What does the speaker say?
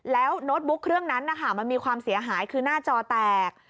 แล้วโน้ตบุ๊กเครื่องนั้นนะคะมันมีความเสียหายคือหน้าจอแตก